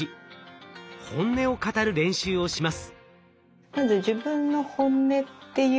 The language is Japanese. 本音を語る練習をします。